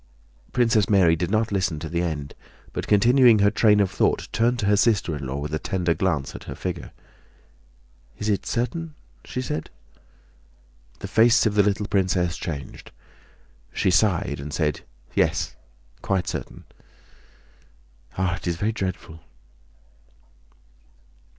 Princess Mary did not listen to the end, but continuing her train of thought turned to her sister in law with a tender glance at her figure. "Is it certain?" she said. The face of the little princess changed. She sighed and said: "Yes, quite certain. Ah! it is very dreadful..."